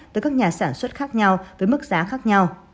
tới các nhà sản xuất khác nhau với mức giá khác nhau